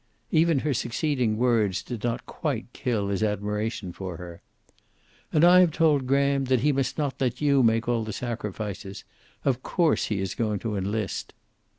Even her succeeding words did not quite kill his admiration for her. "And I have told Graham that he must not let you make all the sacrifices. Of course he is going to enlist."